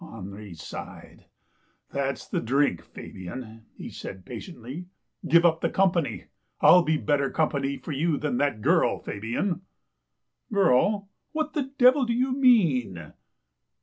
Henri sighed. " That's the drink, Fabian," he said patiently. " Give up the company. Ell be better company for you than that girl, Fabian." " Girl? What the devil do you mean!